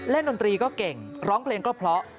ดนตรีก็เก่งร้องเพลงก็เพราะ